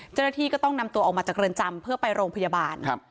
เจ้าหน้าที่ก็ต้องนำตัวออกมาจากเรือนจำเพื่อไปโรงพยาบาล